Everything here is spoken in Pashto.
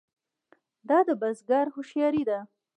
دا د بزګر هوښیاري ده.